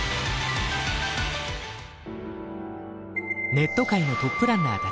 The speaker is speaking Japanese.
ネット界のトップランナーたち。